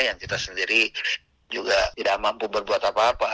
yang kita sendiri juga tidak mampu berbuat apa apa